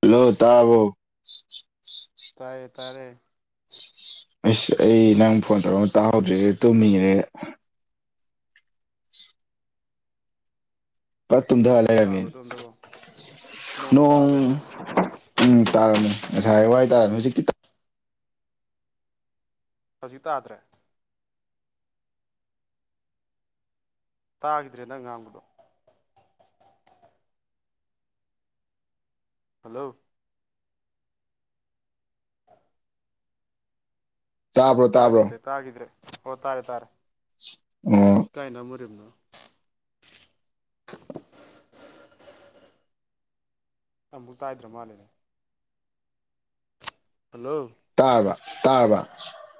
hello ꯇꯥꯕꯣ ꯇꯥꯏꯌꯦ ꯇꯥꯔꯦ ꯑꯁ ꯑꯩ ꯅꯪ ꯐꯣꯟ ꯇꯧꯔꯛꯝꯃ ꯇꯥꯍꯧꯗ꯭ꯔ‌ꯦ ꯇꯨꯃꯤꯉꯩ ꯄꯥꯛ ꯇꯨꯝꯗ ꯅꯣꯡꯒ ꯇꯥꯕ꯭ꯔꯥ ꯑꯗꯣꯝꯗꯕꯣ ꯅꯣꯡꯒ ꯂꯩꯔꯝꯃ‌ꯦꯅ‌ꯦ ꯇꯥꯕ꯭ꯔꯣ ꯎꯝ ꯇꯥꯔꯝꯅꯤ ꯉꯁꯥꯏ ꯋꯥꯏ ꯇꯥꯔꯅꯤ ꯍꯧꯖꯤꯛꯇꯤ ꯍꯧꯖꯤꯛ ꯇꯥꯗ꯭ꯔꯦ ꯇꯥꯒꯤꯗ꯭ꯔꯦ ꯅꯪ ꯉꯥꯡꯕꯗꯣ ꯍꯜꯂꯣ ꯇꯥꯕ꯭ꯔꯣ ꯇꯥꯕ꯭ꯔꯣ ꯇꯥꯒꯤꯗ꯭ꯔꯦ ꯇꯥꯒꯤꯗ꯭ꯔꯦ ꯑꯣ ꯇꯥꯔꯦ ꯇꯥꯔꯦ ꯑꯣ ꯀꯥꯏꯅꯥ [inaudible] ꯑꯃꯨꯛ ꯇꯥꯏꯗ꯭ꯔ ꯃꯥꯜꯂꯦꯅꯦ ꯍꯜꯂꯣ ꯇꯥꯔꯕ ꯇꯥꯔꯕ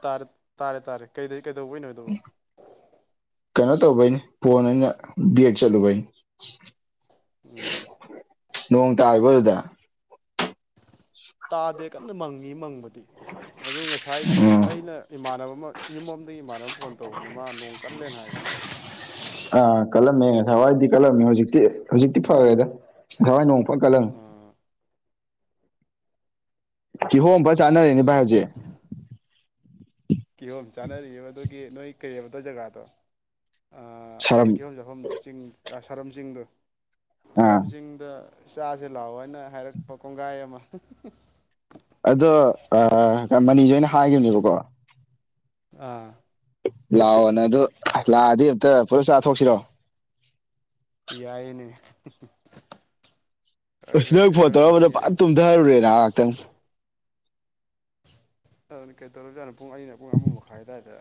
ꯇꯥꯔꯦ ꯇꯥꯔꯦ ꯇꯥꯔꯦ ꯀꯩꯗ ꯀꯩꯗꯧꯕꯏ ꯅꯣꯏꯗꯧꯕ ꯀꯩꯅꯣ ꯇꯧꯕꯩꯅꯤ ꯐꯣꯟ ꯑꯩꯅ ꯕꯒ ꯆꯠꯂꯨꯕꯩꯅꯤ ꯎꯝ ꯅꯣꯡ ꯇꯥꯔꯒꯣ ꯑꯗꯨꯗ ꯇꯥꯗꯦ ꯀꯟꯅ ꯃꯪꯉꯤ ꯃꯪꯕꯗꯤ ꯑꯗꯨ ꯉꯁꯥꯏꯗꯤ ꯎꯝ ꯑꯩꯅ ꯏꯃꯥꯟꯅꯕ ꯌꯨꯝꯝꯗꯒꯤ ꯏꯃꯥꯟꯅꯕ ꯐꯣꯟ ꯇꯧꯕꯅꯦ ꯃꯥ ꯅꯣꯡ ꯀꯜꯂꯦꯅ ꯍꯥꯏ ꯑꯥ ꯀꯠꯂꯝꯃꯦ ꯊꯋꯥꯏꯗꯤ ꯀꯠꯂꯝꯃꯦ ꯍꯧꯖꯤꯛꯇꯤ ꯍꯧꯖꯤꯛꯇꯤ ꯐꯔꯦꯗ ꯊꯋꯥꯏ ꯄ ꯀꯂꯪ ꯑꯥ ꯀꯤꯍꯣꯝꯝꯕ ꯆꯥꯅꯔꯦꯅꯦ ꯚꯥꯏ ꯍꯧꯖꯤꯛ ꯀꯤꯍꯣꯝ ꯆꯥꯅꯔꯤꯑꯕ ꯑꯗꯨꯒꯤ ꯅꯣꯏ ꯀꯩꯕꯗ ꯖꯒꯥꯗꯣ ꯁꯥꯔꯝ ꯃꯣꯏ ꯀꯤꯐꯝ ꯆꯥꯐꯝꯗꯣ ꯆꯤꯡ ꯁꯔꯝ ꯆꯤꯡꯗꯣ ꯑꯥ ꯁꯔꯝꯖꯤꯡꯗ ꯆꯥꯁꯦ ꯂꯥꯛꯑꯣ ꯍꯥꯏꯅ ꯍꯥꯏꯔꯛꯄ ꯀꯣꯡꯒꯥꯏ ꯑꯃ ꯑ ꯃꯅꯤꯁꯦ ꯑꯩꯅ ꯍꯥꯏꯈꯤꯕꯅꯦꯕꯀꯣ ꯑꯥ ꯂꯥꯛꯑꯣꯅꯦ ꯑꯗꯨ ꯂꯥꯛꯑꯗꯤ ꯑꯝꯛꯇ ꯄꯨꯂꯞ ꯆꯥꯊꯣꯛꯁꯤꯔꯣ ꯌꯥꯏꯅꯦ ꯑ ꯑꯩꯈꯣꯏ ꯅꯣꯏ ꯐꯣꯟ ꯇꯧꯔꯝꯕꯗ ꯑꯩꯈꯣꯏꯔꯣꯝꯗꯒꯤ ꯄ ꯇꯨꯝꯊꯍꯔꯨꯔꯦ ꯅ ꯉꯍꯥꯏꯍꯥꯛꯇꯪ ꯀꯩ ꯇꯧꯔꯖꯥꯠꯅꯣ ꯄꯨꯡ ꯑꯩꯅ ꯄꯨꯡ ꯑꯃ ꯃꯈꯥꯏꯋꯥꯏꯗ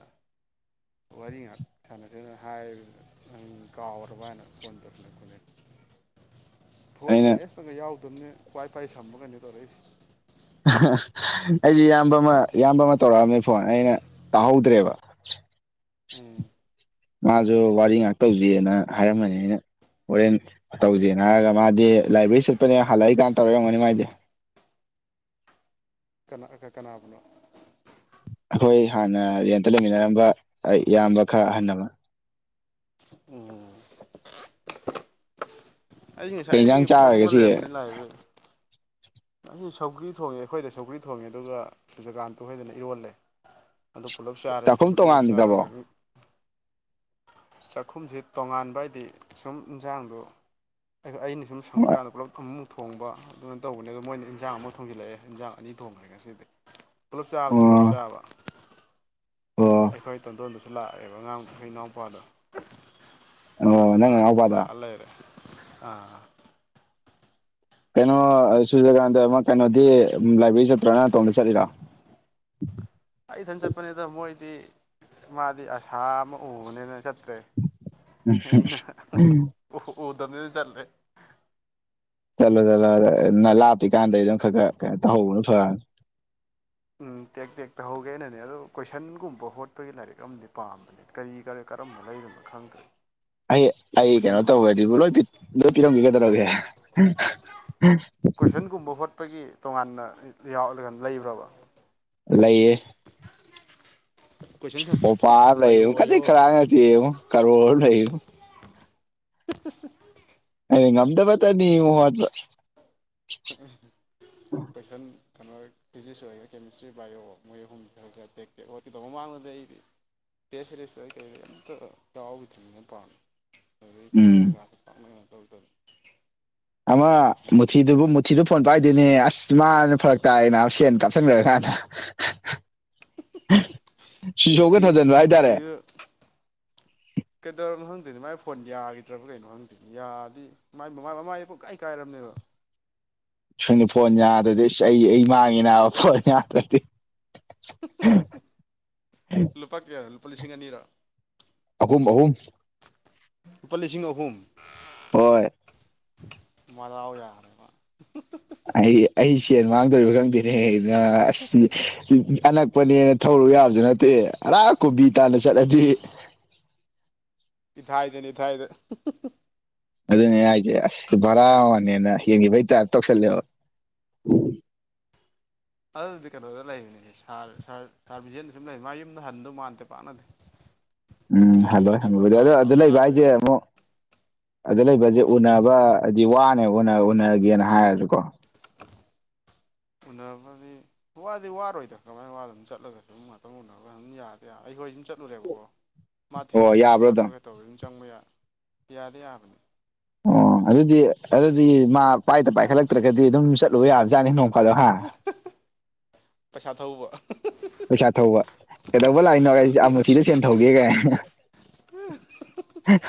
ꯋꯥꯔꯤ ꯉꯥꯛ ꯁꯥꯟꯅꯁꯤꯦꯅ ꯍꯥꯏꯕ ꯅꯪ ꯀꯥꯎꯔꯕ ꯍꯥꯏꯅ ꯐꯣꯟ ꯇꯧꯁꯤꯜꯂꯛꯄꯅꯦ [inaudible] [unintelligible] ꯐꯣꯟ ꯑꯩꯅ ꯕꯦꯂꯦꯟꯁꯇꯪꯒ ꯌꯥꯎꯗꯕꯅꯦ ꯋꯥꯏ ꯐꯥꯏ ꯁꯃꯒꯩꯅꯣ ꯇꯧꯔꯛꯏꯁꯦ ꯑꯩꯁꯨ ꯏꯌꯥꯝꯕ ꯑꯃ ꯏꯌꯥꯝꯕ ꯑꯃ ꯇꯧꯔꯛꯑꯝꯃꯦ ꯐꯣꯟ ꯑꯩꯅ ꯇꯥ ꯍꯧꯗ꯭ꯔꯦꯕ ꯎꯝ ꯃꯥꯁꯨ ꯋꯥꯔꯤ ꯉꯥꯛꯇꯧꯁꯤꯅ ꯍꯥꯏꯔꯝꯃꯅꯤ ꯑꯩꯅ ꯍꯣꯔꯦꯟ ꯇꯧꯁꯦꯅ ꯍꯥꯏꯔꯒ ꯃꯥꯗꯤ ꯂꯥꯏꯕ꯭ꯔꯦꯔꯤ ꯆꯠꯄꯅꯦ ꯍꯜꯂꯛꯏꯀꯥꯟ ꯇꯧꯔꯔꯝꯒꯅꯤ ꯃꯥꯏꯗꯤ ꯀꯅꯥꯅꯥꯕꯅ ꯑꯩꯈꯣꯏ ꯍꯥꯟꯅ ꯔꯦꯟꯇ ꯂꯩꯃꯤꯟꯅꯔꯝꯕ ꯏꯌꯥꯝꯕ ꯈꯔ ꯑꯍꯟꯅꯕ ꯎꯝ ꯑꯩꯁꯦ ꯀꯩ ꯏꯟꯖꯥꯡ ꯉꯁꯥꯏꯗꯒꯤ ꯆꯥꯔꯒꯦ ꯐꯝꯃꯒ ꯁꯤ ꯂꯩꯔꯝꯕꯅꯤ ꯂꯥꯛꯗꯨ ꯑꯩ ꯁꯧꯒ꯭ꯔꯤ ꯊꯣꯡꯉꯦ ꯑꯩꯈꯣꯏꯗ ꯁꯧꯀ꯭ꯔꯤ ꯊꯣꯡꯉꯦ ꯑꯗꯨꯒꯖꯀꯥꯟ ꯇ ꯍꯣꯏꯗꯅ ꯏꯔꯣꯜꯂꯦ ꯑꯗꯨ ꯄꯨꯂꯞ ꯆꯥꯔꯦ ꯆꯥꯛꯈꯨꯝ ꯁꯒꯔꯤꯗꯨ ꯆꯥꯔꯒ ꯇꯣꯉꯥꯟꯈ꯭ꯔꯕꯣ ꯑꯗꯨ ꯆꯥꯛꯈꯨꯝꯁꯤ ꯇꯣꯉꯥꯟꯕ ꯍꯥꯏꯗꯤ ꯁꯨꯝ ꯏꯟꯁꯥꯡꯗ ꯑꯩꯅ ꯁꯨꯝ ꯁꯪꯕ ꯀꯥꯟꯗ ꯄꯨꯂꯞ ꯊꯛ ꯊꯣꯡꯕ ꯑꯗꯨꯃꯥꯏꯅ ꯇꯧꯕꯅꯦ ꯑꯗꯨ ꯃꯣꯏꯅ ꯏꯟꯖꯥꯡ ꯑꯃꯨ ꯊꯣꯡꯖꯤꯜꯂꯛꯑꯦ ꯏꯟꯖꯥꯡ ꯑꯅꯤ ꯊꯣꯡꯈ꯭ꯔꯦ ꯉ ꯁꯤꯗꯤ ꯄꯨꯂꯞ ꯑꯣ ꯆꯥꯕꯗꯤ ꯄꯨꯂꯞ ꯆꯥꯕ ꯑꯣ ꯑꯩꯈꯣꯏ ꯇꯣꯟꯗꯣꯟꯗꯨꯁꯨ ꯂꯥꯛꯑꯦꯕ ꯑꯉꯥꯡ ꯑꯩꯈꯣꯏ ꯏꯅꯥꯎꯄꯥꯗꯣ ꯑꯣ ꯃꯥꯁ ꯅꯪ ꯂꯥꯛ ꯅꯅꯥꯎꯄꯥꯗꯣ ꯂꯥꯛ ꯑꯂꯦ ꯑꯥ ꯀꯩꯅꯣ ꯁꯨꯔꯗ꯭ꯀꯥꯟꯇ ꯑꯃ ꯀꯩꯅꯣꯗꯤ ꯂꯥꯏꯕ꯭ꯔꯦꯔꯤ ꯆꯠꯇ꯭ꯔꯣꯅ ꯇꯣꯡꯗ ꯆꯠꯂꯤꯔ [inaudible] [unintelligible] ꯑꯩ ꯏꯊꯟ ꯆꯠꯄꯅꯤꯗ ꯃꯣꯏꯗꯤ ꯃꯥꯗꯤ ꯑꯁꯥ ꯑꯃ ꯎꯕꯅꯤꯅ ꯆꯠ ꯦ ꯑ ꯑꯣ ꯑꯣꯗꯗꯤꯗꯤ ꯆꯜꯔꯦ ꯆꯠꯂꯣ ꯆꯠꯂꯣ ꯑꯗ ꯅ ꯂꯥꯞꯄꯤꯤ ꯀꯥꯟꯗꯩ ꯑꯗꯨꯝ ꯈꯔ ꯈꯔꯣ ꯇꯧꯍꯧꯕꯅ ꯐꯔꯛꯅꯤ ꯎꯝ ꯇꯦꯛ ꯇꯦꯛ ꯇꯍꯧꯒꯦꯅꯅꯦ ꯑꯣ ꯀꯣꯏꯁꯟꯒꯨꯝꯕ ꯍꯣꯠꯄꯒꯤ ꯂꯥꯏꯔꯤꯛ ꯑꯃꯗꯤ ꯄꯥꯝꯕꯅꯦ ꯀꯔꯤ ꯀꯔꯤ ꯀꯔꯝꯕ ꯂꯩꯔꯤꯅꯣ ꯈꯪꯗ꯭ꯔꯔꯤ ꯑꯩ ꯑꯩ ꯀꯩꯅꯣ ꯇꯧꯋꯗꯤꯕꯨ ꯂꯣꯏ ꯂꯣꯏ ꯄꯤꯔꯝꯈꯤꯒꯗꯧꯔꯒꯦ ꯀꯣꯏꯁꯟꯒꯨꯝꯕ ꯍꯣꯠꯄꯒꯤ ꯇꯣꯉꯥꯟꯅ ꯌꯥꯎꯒ ꯂꯩꯕ꯭ꯔꯕ ꯂꯩꯏꯌꯦ ꯀꯣꯏꯁꯟ ꯈꯛꯀꯤ ꯣꯄꯔ ꯂꯩ ꯕꯥꯏꯑꯣ ꯀꯗꯤ ꯑꯣꯏꯌꯣ ꯈꯔ ꯑ ꯀꯔꯣ ꯂꯩ [unintelligible] [inaudible] ꯉ ꯑꯝꯗꯕꯥꯗ ꯇꯅꯤ꯭ꯔ ꯄꯩꯁꯥ ꯀꯩꯅꯣ ꯐꯤꯖꯤꯛꯁ ꯑꯣꯏꯔꯦꯥ ꯀꯦꯃꯤꯁꯇ꯭ꯔꯤ ꯕꯥꯏꯑꯣ ꯃꯣꯏ ꯑꯍꯨꯝꯁꯤꯂꯒ ꯇꯦꯛꯇꯦꯛ ꯑꯣꯣꯠꯀꯦꯗꯧꯕ ꯃꯃꯥꯡꯗ ꯑꯩꯗꯤ ꯀꯦꯁꯦꯁ ꯀꯩ ꯌꯥꯎ ꯅꯤ ꯄ ꯑꯗꯨꯩ ꯎꯝ ꯀꯊꯟꯅꯤꯒꯥꯁꯨ ꯇꯥꯛꯅꯅ ꯇꯧꯗꯔꯤ ꯑꯃ ꯃꯨꯊꯤꯗꯨꯕꯨ ꯃꯨꯊꯤꯗꯨ ꯐꯣꯟ ꯄꯥꯏꯗꯣꯏꯅꯦ ꯑꯁ ꯃꯥꯅ ꯐꯔꯛ ꯇꯥꯏꯅ ꯁꯦꯟ ꯀꯥꯞꯁꯤꯟꯈ꯭ꯔ ꯀꯥꯟꯗ ꯁꯤꯁꯣꯛꯒ ꯃꯨꯊꯤ ꯊꯥꯖꯤꯟꯕ꯭ꯔ ꯍꯥꯏꯇꯥꯔꯦ ꯀꯩꯗꯧꯔ ꯍ ꯑꯗꯨꯗꯤ ꯃꯥꯏ ꯐꯣꯟ ꯌꯥꯈꯤꯗ꯭ꯔꯕ ꯀꯩꯅꯣ ꯍꯪꯗꯣꯏꯅꯤ ꯌꯥꯗꯤ ꯃꯃꯥꯏ ꯃꯃꯥꯏ ꯄꯨꯡꯀꯥꯏ ꯀꯥꯏꯔꯝꯅꯦꯕ ꯁꯨꯝꯅ ꯐꯣꯟ ꯌꯥꯗ꯭ꯔꯗꯤꯁ ꯑꯩ ꯑꯩ ꯃꯥꯡꯉꯤꯅꯦ ꯐꯣꯟ ꯌꯥꯗ꯭ꯔꯗꯤ ꯂꯨꯄꯥ ꯀꯌꯥ ꯂꯨꯄꯥ ꯂꯤꯁꯤꯡ ꯑꯅꯤꯔꯥ ꯑꯍꯨꯝ ꯑꯍꯨꯝ ꯂꯨꯄꯥ ꯂꯤꯁꯤꯡ ꯑꯍꯨꯝ ꯍꯣꯏ ꯃꯖꯥ ꯑꯣꯏ ꯌꯥꯔꯦ ꯑꯩ ꯑꯩ ꯁꯦꯟ ꯃꯥꯡꯗꯣꯔꯤꯕ ꯈꯪꯗꯦꯅꯦ ꯍ ꯑꯁꯤ ꯑꯅꯛꯄꯅꯦꯅ ꯊꯧꯔꯛ ꯌꯥꯕꯗꯨ ꯅꯠꯇꯦ ꯑꯔꯥꯛ ꯀꯣꯕꯤ ꯇꯥꯟꯅ ꯆꯠꯂꯗꯤ ꯏꯊ ꯏꯗꯦꯅꯤ ꯏꯊꯧ ꯍꯥꯏꯗ ꯑꯗꯨꯅꯦ ꯍꯥꯏꯁꯦ ꯑꯁ ꯚꯔꯥ ꯋꯥꯅꯦꯅ ꯌꯦꯡꯈꯤꯕꯩꯇꯥꯔꯞ ꯇꯧꯁꯜꯂꯦꯕ ꯎꯝ ꯑꯗꯨꯗꯤ ꯀꯩꯅꯣꯗ ꯂꯩꯕꯅꯤꯅꯦ ꯁꯥ ꯁꯥꯔꯕꯤꯖꯦꯟꯗ ꯁꯨꯝ ꯂꯩ ꯃꯥ ꯌꯨꯝꯗ ꯍꯟꯗꯧ ꯃꯥꯟꯗꯦ ꯄꯥꯛꯅꯗꯦ ꯎꯝ ꯃꯣꯏ ꯍꯜꯂꯣ ꯁꯨꯇꯤꯕꯨ ꯍꯗꯤ ꯑꯗꯣ ꯊꯥ ꯑꯗꯨ ꯄꯥꯛ ꯂꯩꯕ ꯍꯥꯏꯁꯦ ꯊꯥꯔꯣꯏꯅ ꯑꯃꯨꯛ ꯑꯗꯨꯗ ꯂꯩꯕꯁꯦ ꯎꯅꯕ ꯍꯥꯏꯗꯤ ꯋꯥꯅꯦ ꯎꯅꯒꯦꯅ ꯍꯥꯏꯔꯁꯨꯀꯣ [unintelligible] [inaudible] ꯎꯅꯔꯕꯗꯤ ꯋꯥꯗꯤ ꯋꯥꯔꯣꯏꯗꯅ ꯀꯃꯥꯏꯅ ꯋꯥꯗꯅ ꯑꯗꯨꯝ ꯆꯠꯂꯒꯁꯨ ꯑꯗꯨꯝ ꯉꯥꯛꯇꯪ ꯎꯔꯒ ꯑꯗꯨꯝ ꯌꯥꯗꯤꯦ ꯌꯥꯔ ꯑꯩꯈꯣꯏ ꯑꯗꯨꯝ ꯆꯠꯂꯨꯔꯦꯕꯀꯣ ꯃꯥ ꯊꯤꯟ ꯑꯣ ꯆꯠꯄ ꯌꯥꯕ꯭ꯔꯣ ꯈꯣꯠꯄ ꯀꯩꯇꯧꯕ ꯑꯗꯨꯝ ꯆꯪꯕ ꯌꯥ ꯌꯥꯗꯤ ꯌꯥꯕꯅꯤ ꯑꯣ ꯑꯗꯨꯗꯤ ꯑꯗꯨꯗꯤ ꯃꯥ ꯄꯥꯏꯗ ꯄꯥꯏꯈꯠꯂꯛꯇ꯭ꯔꯒꯗꯤ ꯑꯗꯨꯝ ꯆꯠꯂꯨꯕ ꯌꯥꯕꯖꯥꯠꯅꯤ ꯅꯣꯡ ꯐꯥꯗꯣꯛ ꯍꯥ ꯄꯩꯁꯥ ꯊꯧꯕ ꯄꯩꯁꯥ ꯊꯧꯕ ꯀꯩꯗꯧꯕ ꯂꯥꯛꯏꯅꯣ ꯃꯨꯊꯤꯗ ꯁꯦꯟ ꯊꯧꯒꯦ ꯀꯩ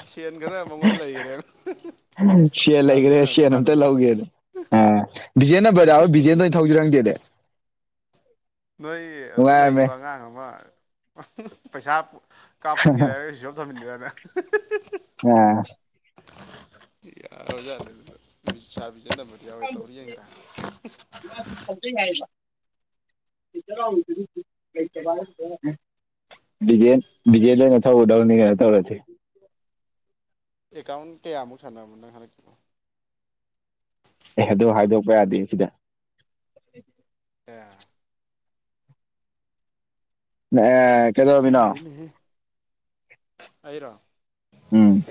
ꯁꯦꯟ ꯈꯔ ꯑꯃꯃꯜ ꯂꯩꯈꯔꯦ ꯁꯤꯌꯥ ꯂꯩꯒꯦ ꯁꯤꯌꯥꯟ ꯑꯇ ꯂ ꯍꯒꯦꯣ ꯑꯣ ꯕꯤꯖꯦ ꯔ ꯍꯣꯏ ꯕꯤꯖꯦꯟꯗ ꯑꯣꯏꯅ ꯊꯧꯖꯔꯝꯗꯦꯗꯤ ꯅꯣꯏ ꯑꯗꯨꯗ ꯅꯨꯡꯉꯥꯏꯔꯝꯃꯦ ꯂꯩꯔꯤꯕ ꯑꯉꯥꯡ ꯑꯃ ꯄꯩꯁꯥ ꯀꯥꯞꯁꯤꯟꯒꯦꯔꯦ ꯑꯩꯁꯨꯝ ꯊꯝꯟꯗꯦꯔꯅ ꯑ ꯌꯥꯔꯖꯂ ꯆꯥꯕꯤ ꯅ ꯃꯗꯤ ꯑꯣꯏꯦ ꯇꯧꯔꯤꯒ꯭ꯔ [unintelligible] [inaudible] ꯦ ꯖꯦ ꯂꯩ ꯅꯊ ꯎꯗꯥꯔꯅꯤ ꯍꯥꯏꯠꯇꯧꯔ ꯑꯦꯀꯥꯎꯟ ꯀꯌꯥꯃꯨꯛ ꯁꯥꯟꯔꯔꯕꯣ ꯅꯪ ꯍꯗꯛꯣ ꯑꯦ ꯑꯗꯨ ꯍꯥꯏꯗꯣꯛꯄ ꯌꯥꯗꯦ ꯁꯤꯗ [unintelligible] [inaudible] ꯑꯦ ꯀꯦꯗꯕꯤꯅꯣ ꯈꯪꯗꯦꯅꯦꯍꯦ ꯑꯩꯔꯣ ꯎꯝ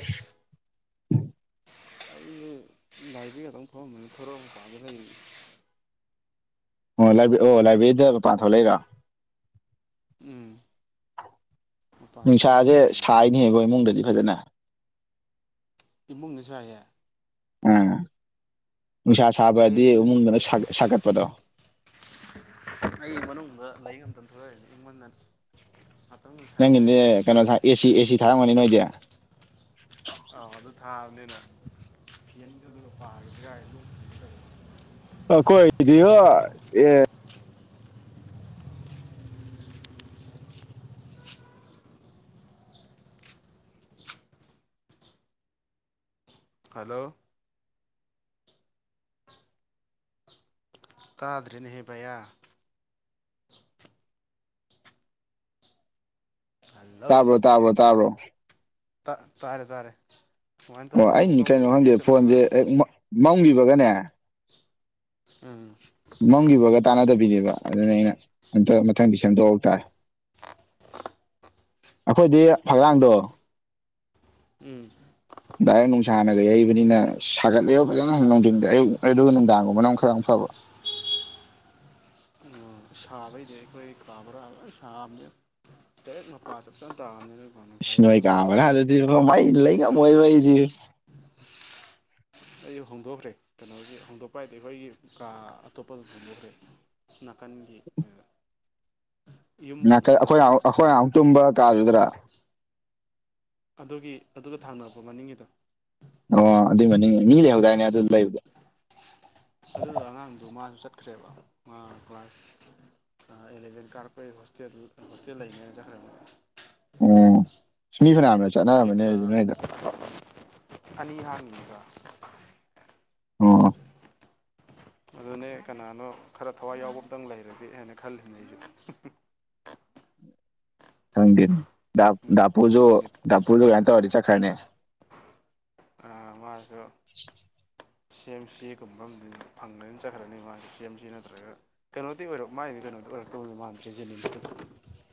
ꯑꯩꯁ ꯂꯥꯏꯕꯔꯤ ꯑꯗꯨꯪ ꯊꯣꯛꯝꯕꯅꯤ ꯊꯣꯔꯛꯑ ꯀꯥꯟꯗ ꯑꯣ ꯑꯣ ꯂꯥꯏꯕ꯭ꯔꯦꯔꯤꯗ ꯄꯥꯟꯊ ꯂꯩꯔꯥ ꯎꯝ ꯃꯄꯥꯟꯗ ꯉꯥꯛꯇꯪ ꯅꯨꯡꯁꯥꯁꯦ ꯂꯩꯔꯤ ꯁꯥꯏꯅꯦꯍꯕꯣ ꯏꯃꯨꯡꯗꯗꯤ ꯐꯖꯅ ꯏꯃꯨꯡꯒꯤꯁꯨ ꯍꯥꯏꯌꯦ ꯑꯥ ꯅꯨꯡꯁꯥ ꯁꯥꯕꯗꯤ ꯑꯩꯗꯤ ꯏꯃꯨꯡꯗ ꯏꯃꯨꯡꯗꯨꯅ ꯁꯥꯒꯠꯄꯗꯣ ꯑꯩ ꯃꯅꯨꯡꯗ ꯂꯥꯏꯡ ꯑꯝꯇꯪ ꯊꯣꯛꯂꯛꯑꯏꯁꯦ ꯑꯩꯉꯣꯟꯗ ꯅꯪꯒꯤꯅꯦ ꯀꯩꯅꯣ ꯑꯦꯁꯤ ꯑꯦꯁꯤ ꯊꯥꯔꯝꯒꯅꯤ ꯅꯣꯏꯗꯤ ꯑꯥꯎ ꯑꯗꯨ ꯊꯥꯕꯅꯤꯅ ꯐꯦꯟꯗꯨ ꯑꯗꯨꯅ ꯄꯥꯈꯤꯗꯒꯥꯏ ꯑꯗꯨꯝ ꯑ ꯀꯣꯏꯗꯤ ꯑꯦ [unintelligible] ꯍꯂꯣ ꯇꯥꯗ꯭ꯔꯔꯤꯅ ꯍꯦꯕꯌꯥ ꯍꯜꯂꯣ ꯇꯥꯕꯣ ꯇꯥꯕꯣ ꯇꯥꯕꯣ ꯇꯥꯔꯦ ꯇꯥꯔꯦ ꯀꯃꯥꯏꯅ ꯑꯣ ꯇꯧꯔꯤꯕꯅꯣ ꯑꯃꯨꯛꯀ ꯑꯩ ꯀꯩꯅꯣ ꯈꯪꯗꯦ ꯕꯦꯛ ꯆꯠꯂꯨꯔꯤꯕ ꯐꯣꯟꯁꯦ ꯍꯦꯛ ꯃꯪꯕꯤꯕꯒꯅꯦ ꯎꯝ ꯃꯪꯒꯤꯕꯒ ꯇꯥꯟꯅꯗꯕꯤꯅꯦꯕ ꯑꯗꯨꯅ ꯑꯩꯅ ꯑꯝꯇ ꯃꯊꯪꯗꯤ ꯁꯦꯝꯗꯣꯛꯍ ꯇꯥꯔꯦ ꯑꯩꯈꯣꯏꯗꯤ ꯐꯛꯂꯥꯡꯗꯣ ꯎꯝ ꯗꯥꯏꯔꯦꯛ ꯅꯨꯡꯁꯥꯅꯒ ꯌꯩꯕꯅꯤꯅ ꯁꯥꯒꯠꯂꯛꯕ ꯐꯖꯅ ꯅꯨꯡꯊꯤꯡꯗ ꯑꯌꯨꯛ ꯑꯗꯨꯒ ꯅꯨꯡꯗꯥꯡꯒꯨꯝꯕꯅ ꯑꯃ ꯈꯔ ꯐꯥꯕ ꯁꯥꯕꯩꯗꯤ ꯑꯩꯈꯣꯏ ꯄꯕ꯭ꯔ ꯁꯥ ꯇ ꯃꯄꯥꯥ ꯆꯞ ꯆ ꯇꯥꯡ ꯏꯣꯏ ꯀꯕ ꯍꯥꯏꯗꯤ ꯏ ꯂꯩ ꯀ ꯃꯣꯏꯕꯗꯤ ꯑꯩꯁꯨ ꯍꯣꯡꯗꯣꯛꯈ꯭ꯔꯦ ꯀꯩꯅꯣꯒꯤ ꯍꯣꯡꯗꯣꯛꯄ ꯍꯥꯏꯗꯤ ꯑꯩꯈꯣꯏꯒꯤ ꯀꯥ ꯑꯇꯣꯞꯄ ꯑꯗꯨꯝ ꯍꯣꯡꯗꯣꯛꯈ꯭ꯔꯦ ꯅꯥꯀꯟꯒꯤ [unintelligible] ꯌꯨꯝ ꯅꯥꯀꯩ ꯍꯣꯡꯗꯣꯛꯄ ꯑꯩꯈꯣꯏ ꯅꯠꯇꯕ ꯑꯩꯈꯣꯏ ꯃꯣꯏ ꯉꯨ ꯇꯨꯝꯕ ꯀꯥꯔꯨꯗ꯭ꯔꯥ ꯑꯗꯨꯒꯤ ꯑꯗꯨꯒ ꯊꯥꯡꯔꯕꯣ ꯃꯅꯤꯡꯒꯤꯗꯣ ꯑꯣ ꯑꯗꯨꯏ ꯃꯅꯤꯡ ꯃꯤ ꯂꯩꯍꯧꯗꯥꯏꯅꯦ ꯑꯗꯨ ꯂꯩꯕꯗꯣ ꯑꯗꯨꯗ ꯑꯉꯥꯡꯗꯨꯣ ꯃꯥꯁꯨ ꯆꯠꯈ꯭ꯔꯦꯕ ꯃꯥ ꯀ꯭ꯂꯥꯁ ꯑꯦꯂꯚꯦꯟ ꯀꯥꯔꯛꯄꯩ ꯍꯣ ꯍꯣꯁꯇꯦꯜꯗꯨ ꯍꯣꯁꯇꯦꯜ ꯂꯩꯅꯦꯅ ꯆꯠꯈ꯭ꯔꯕ ꯎꯝ ꯁꯤꯅꯤ ꯐꯅꯝꯅ ꯆꯠꯅꯔꯕꯅꯦ ꯑꯩꯁꯨ ꯅꯣꯏꯗ ꯑꯅꯤꯍꯅꯤꯒ ꯑꯣ [unintelligible] ꯑꯗꯨꯅꯦ ꯀꯅꯥꯅꯣ ꯈꯔ ꯊꯋꯥꯏ ꯌꯥꯎꯕ ꯑꯃꯇꯪ ꯂꯩꯔꯒꯦ ꯍꯥꯏꯅ ꯈꯜꯂꯤꯅꯦ ꯑꯩꯁꯨ ꯈꯪꯗꯦꯅꯦ ꯗꯥꯄꯨꯁꯨ ꯅꯤꯠ ꯙꯄꯨꯁꯨ ꯀꯥꯏ ꯇꯧꯔꯗꯤ ꯆꯠꯈ꯭ꯔꯅꯦ ꯑꯃꯃꯥꯁꯨ ꯁꯤ ꯑꯦꯝ ꯁꯤꯒꯨꯝꯕ ꯑꯃꯗꯤ ꯐꯪꯗꯅ ꯆꯠꯈ꯭ꯔꯅꯤ ꯃꯥꯁꯦ ꯁꯤ ꯑꯦꯝ ꯁꯤ ꯅꯠꯇ꯭ꯔꯒ ꯀꯩꯅꯣꯗꯤ ꯑꯣꯏꯔꯣ ꯃꯒꯤꯗꯤ ꯀꯩꯅꯣꯗ ꯀ ꯃꯝꯖꯦꯖꯅꯤꯃꯤꯇ [unintelligible]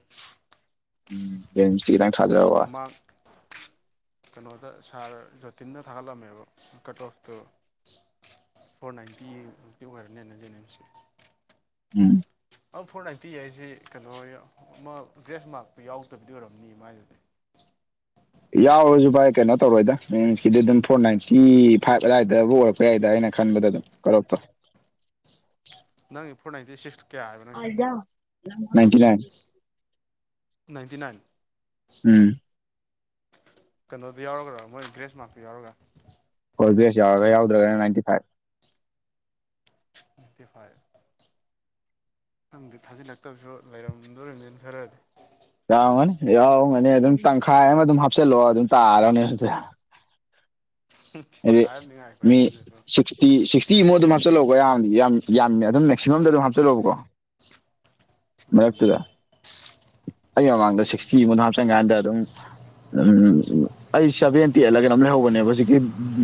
ꯎꯝ ꯁꯇꯇꯪ ꯊꯥꯖꯕ ꯃꯃꯥꯡ ꯀꯩꯅꯣꯗ ꯁꯥꯔ ꯖꯣꯇꯤꯟꯅ ꯊꯥꯒꯠꯂꯝꯃꯦꯕ ꯀꯠ ꯑꯣꯐꯇꯨ ꯐꯣꯔ ꯅꯥꯏꯟꯇꯤꯛꯇꯤ ꯑꯣꯏꯔꯦꯅꯦꯅꯖꯦꯁꯤ ꯎꯝ ꯑ ꯐꯣꯔ ꯅꯥꯏꯟꯇꯤ ꯍꯥꯏꯁꯤ ꯀꯩꯅꯣ ꯑꯃ ꯗ꯭ꯔꯦꯁ ꯃꯥꯔꯛꯇꯨ ꯌꯥꯎꯗꯕꯗꯤ ꯑꯣꯏꯔꯝꯅꯤ ꯃꯥꯏꯗꯨꯗꯤ [unintelligible] ꯌꯥꯎꯔꯁꯨ ꯚꯥꯏ ꯀꯩꯅꯣ ꯇꯧꯔꯣꯏꯗ ꯃꯤꯟꯁꯀꯤꯗꯤ ꯑꯗꯨꯝ ꯐꯣꯔ ꯅꯥꯏꯟꯇꯤ ꯐꯥꯏꯚ ꯑꯗꯨꯋꯥꯏꯗꯕꯨ ꯑꯣꯏꯔꯛꯄ ꯌꯥꯏꯗ ꯑꯩꯅ ꯈ ꯑꯗꯨꯣꯛꯇ ꯅꯪꯒꯤ ꯐꯣꯔ ꯅꯥꯏꯟꯇꯤ ꯁꯤꯛꯁ ꯀꯌꯥ ꯍꯥꯏꯕ ꯅꯪꯒꯤꯗ ꯅꯥꯟꯇꯤꯅꯟ ꯅꯥꯏꯟꯇꯤ ꯅꯥꯏꯟ ꯎꯝ ꯀꯩꯅꯣꯗꯨ ꯌꯥꯎꯔꯒꯗ꯭ꯔꯥ ꯃꯣꯏꯒ꯭ꯔꯦꯁ ꯃꯥꯔꯛꯇꯨ ꯌꯥꯎꯔꯒ ꯐꯣꯔ ꯕꯤꯦꯁ ꯌꯥꯎꯔꯒ ꯌꯥꯎꯗ꯭ꯔꯒꯅ ꯅꯥꯏꯟꯇꯤ ꯐꯥꯏꯚ ꯐꯤꯚꯇꯤ ꯐꯥꯏꯚ ꯪꯗꯤ ꯊꯥꯖꯤꯜꯂꯛꯇꯕꯁꯨ ꯂꯩꯔꯝꯗꯣꯔꯤꯕꯅꯤꯅ ꯈꯔꯗꯤ ꯌꯥꯎꯒꯅꯤ ꯌꯥꯎꯒꯅꯤ ꯑꯗꯨꯝ ꯇꯪꯈꯥꯏ ꯑꯃ ꯑꯗꯨꯝ ꯍꯥꯞꯆꯤꯜꯂꯑꯣ ꯑꯗꯨꯝ ꯇꯥꯔꯅꯦ ꯍꯧꯁꯦ ꯏꯁ ꯇꯪꯈꯥꯏ ꯑꯃꯗꯤ ꯉꯥꯏꯈꯣꯍꯦ ꯃꯤ ꯅꯪꯁꯨ ꯁꯤꯁꯇꯤ ꯁꯤ ꯐꯤ ꯑꯃꯨꯛ ꯑꯗꯨꯝ ꯍꯥꯞꯆꯤꯜꯂꯛꯣ ꯌꯥꯝꯗꯤ ꯌꯥꯝ ꯌꯥꯝꯃꯦ ꯑꯗꯨꯝ ꯃꯦꯛꯁꯤꯃꯝꯗ ꯑꯗꯨꯝ ꯍꯥꯞꯤꯜꯂꯛꯎꯕꯀꯣ ꯎꯝ ꯃꯔꯛꯇꯨꯗ ꯑꯩ ꯃꯃꯥꯡꯗ ꯎꯝ ꯁꯤꯛꯁꯇꯤ ꯑꯃꯗ ꯍꯥꯞꯆꯟ ꯀꯥꯟꯗ ꯑꯗꯨꯝ ꯎꯝ ꯑꯩ ꯁꯦꯚꯦꯟꯇꯤ ꯑꯩꯠꯂꯒꯅ ꯂꯩꯍꯧꯕꯅꯦꯕ ꯍꯧꯖꯤꯛꯀꯤ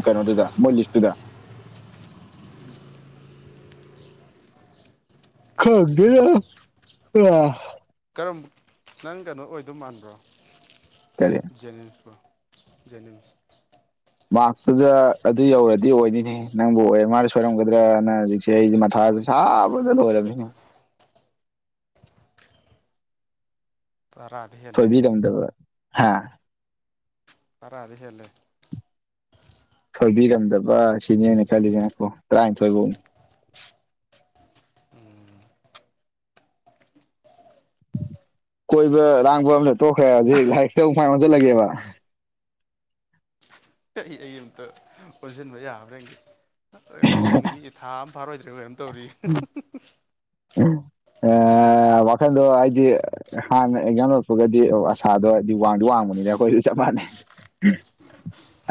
ꯀꯩꯅꯣꯗꯨꯗ ꯃꯣꯏ ꯂꯤꯁꯇꯨꯗ ꯑꯟꯑꯣꯗꯤꯕꯜ ꯈꯔꯗ ꯋꯥ ꯀꯔꯝ ꯅꯪ ꯀꯩꯅꯣ ꯑꯣꯏꯗꯧ ꯃꯥꯟꯕ꯭ꯔꯣ ꯀꯔꯤ ꯖꯦꯅꯤꯝꯁꯄꯨ ꯖꯦꯅꯤꯝꯁ ꯃꯥꯔꯛꯇꯨꯗ ꯑꯗꯨ ꯌꯧꯔꯗꯤ ꯑꯣꯏꯅꯤꯅꯦ ꯅꯪꯕꯨ ꯑꯣꯏ ꯃꯥꯅ ꯁꯣꯏꯔꯝꯒꯗ꯭ꯔꯅ ꯍꯧꯖꯤꯛꯁꯦ ꯑꯩꯗꯤ ꯃꯊꯥ ꯁꯥꯗ ꯂꯔ ꯇꯔꯥꯗꯤ ꯁꯣꯏꯕꯤ ꯍꯦꯜꯂꯦꯍꯦ ꯇꯗꯕ ꯇꯔꯗꯤ ꯍꯦꯜꯂꯦ ꯊꯣꯏꯕꯤꯔꯝꯗꯕ ꯁꯤꯅꯦꯅ ꯈꯜꯂꯤꯁꯤꯅꯀꯣ ꯇꯔꯥꯅꯤꯊꯣꯏ ꯐꯧꯅꯤ ꯎꯝ ꯀꯣꯏꯕ ꯂꯔꯥꯡꯕ ꯑꯝꯇ ꯇꯣꯛꯈ꯭ꯔꯦ ꯍꯧꯖꯤꯛ ꯂꯥꯏꯔꯤꯛꯇꯨꯃꯥꯏ ꯑꯣꯟꯁꯤꯜꯂꯒꯦꯕ ꯑꯟꯑꯣꯗꯤꯕꯜ ꯑꯩ ꯑꯩ ꯑꯃꯝꯇ ꯑꯣꯟꯁꯤꯟꯕ ꯌꯥꯕ꯭ꯔ ꯅꯣꯡ ꯅꯤꯅꯤꯒꯤ ꯊꯥ ꯑꯃ ꯐꯥꯔꯣꯏꯗ ꯀꯝ ꯇꯧꯔꯤ ꯑ ꯋꯥꯈꯜꯗꯣ ꯍꯥꯏꯗꯤ ꯍꯥꯟꯅ ꯑꯦꯛꯖꯥꯝ ꯂꯣꯏꯔꯄꯒꯗꯤ ꯑꯁꯥꯗꯣ ꯍꯥꯏꯗꯤ ꯋꯥꯡꯗꯣ ꯋꯥꯡꯕꯅꯤꯅ ꯑꯩꯈꯣꯏꯁꯨ ꯆꯞ ꯃꯥꯟꯅꯩ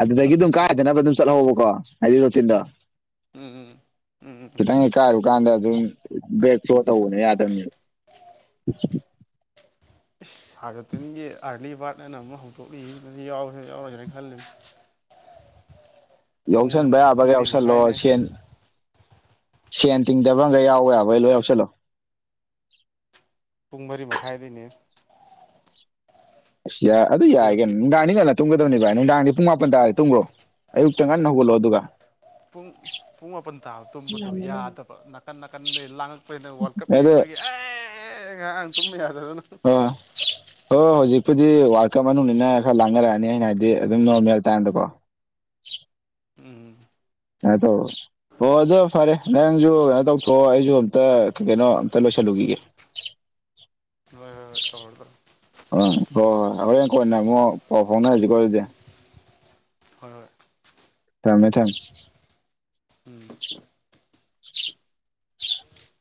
ꯑꯗꯨꯗꯒꯤ ꯑꯗꯨꯝ ꯀꯥꯏꯗꯅꯕ ꯑꯗꯨꯝ ꯆꯠꯍꯕꯀꯣ ꯍꯥꯏꯗꯤ ꯔꯨꯇꯤꯟꯗꯣ ꯎꯝ ꯎꯝ ꯎꯝ ꯈꯤꯇꯪ ꯀꯥꯏꯔꯨꯀꯥꯟꯗ ꯑꯗꯨꯝ ꯕꯦꯛꯇꯣ ꯇꯧꯕꯅ ꯌꯥꯗꯕꯅꯦꯕ ꯑꯟꯏꯟꯇꯦꯜꯂꯤꯖꯦꯕꯜ ꯁꯥꯒꯇꯦꯟꯒꯤ ꯑꯥꯔꯂꯤ ꯕꯥꯔꯠ ꯑꯅ ꯑꯃ ꯍꯧꯗꯣꯛꯂꯤ ꯌꯥꯎꯔ ꯌꯥꯎꯔꯁ꯭ꯔꯅ ꯈꯜꯂꯤ ꯄꯨꯡ ꯌꯥꯎꯁꯟꯕ ꯌꯥꯕ ꯃꯔꯤ ꯌꯥꯎꯁꯜꯂꯣ ꯃꯈꯥꯏꯅꯦ ꯁꯦꯟ ꯁꯦꯟ ꯇꯤꯡꯗꯕ ꯑꯃꯒ ꯌꯥꯎꯋꯦ ꯌꯥꯕꯣꯏ ꯂꯣꯏ ꯌꯥꯎꯁꯜꯂꯣ ꯄꯨꯡ ꯃꯔꯤ ꯃꯈꯥꯏꯗꯅꯦ ꯑꯁ ꯌꯥꯏ ꯑꯗꯨ ꯌꯥꯏꯒꯦ ꯑꯌꯨꯛꯀꯤ ꯅꯨꯡ ꯌꯥꯅꯤꯅ ꯃꯇꯨꯡ ꯅꯤ ꯚꯥꯏ ꯅꯨꯡꯗꯥꯡꯗꯤ ꯄꯨꯡ ꯃꯥꯄꯟ ꯇꯥꯔꯗꯤ ꯇꯨꯝꯈ꯭ꯔꯣ ꯑꯌꯨꯛꯇ ꯉꯟꯅ ꯍꯧꯒꯠꯂꯣ ꯑꯗꯨꯒ ꯄꯨꯡ ꯄꯨꯡ ꯃꯥꯄꯟ ꯇꯥꯕ ꯇꯨꯝꯕꯗꯨꯣ ꯌꯥꯗꯕ ꯅꯥꯀꯟ ꯅꯥꯀꯟꯗꯩ ꯂꯥꯡꯉꯛꯄꯅꯤꯅ ꯋꯥꯔꯜ ꯀꯞ ꯑꯗꯨ ꯌꯦꯡꯉꯩ ꯑꯦ ꯉꯥꯏꯍꯥꯛꯥꯡꯥꯡ ꯇꯨꯝꯕ ꯌꯥꯗꯗꯅ ꯑꯥ ꯍꯣꯏ ꯍ ꯍꯧꯖꯤꯛꯄꯗꯤ ꯋꯥꯔꯜ ꯀꯞ ꯃꯅꯨꯡꯅ ꯈꯔ ꯂꯥꯡꯅꯔꯛꯑꯅꯤ ꯑꯩꯅ ꯍꯥꯏꯗꯤ ꯑꯗꯨꯝ ꯅꯣꯔꯃꯦꯜ ꯇꯥꯏꯝꯗꯀꯣ ꯑꯟꯑꯣꯗꯤꯕꯜ ꯎꯝ ꯀꯩꯅꯥꯏ ꯇꯧꯕ ꯑꯣ ꯑꯗꯣ ꯐꯔꯦ ꯅꯪꯁꯨ ꯇꯨꯝ ꯀꯩꯅꯣ ꯇꯧꯊꯑꯣ ꯑꯩꯁꯨ ꯑꯝꯇ ꯀꯩꯅꯣ ꯑꯝꯇ ꯂꯣꯏ ꯆꯂꯨꯒ ꯍꯣꯏ ꯍꯣꯏ ꯇꯧꯔꯣ ꯇꯧꯔꯣ ꯑ ꯍꯣꯏ ꯍꯣꯏ ꯍꯣꯔꯡ ꯀꯣꯅꯦ ꯑꯃꯨꯛ ꯄꯥꯎ ꯐꯥꯎꯅꯔꯁꯤꯀꯣ ꯑꯗꯨꯗꯤ ꯍꯣꯏ ꯍꯣꯏ ꯊꯝꯃꯦ ꯎꯝ ꯊꯃꯦ ꯑꯟꯏꯟꯇꯦꯜꯂꯤꯖꯦꯕꯜ